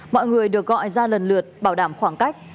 mọi người được gọi ra lần lượt bảo đảm khoảng cách